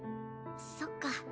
そっか。